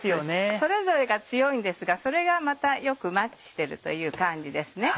それぞれが強いんですがそれがまたよくマッチしてるという感じですね。